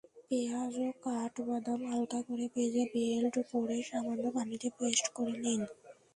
পেঁয়াজ ও কাঠবাদাম হালকা করে ভেজে ব্লেন্ড করে সামান্য পানি দিয়ে পেস্ট করে নিন।